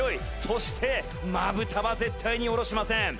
そしてまぶたは絶対に下ろしません。